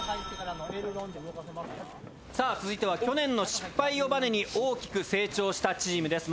さあ続いては去年の失敗をバネに大きく成長したチームです。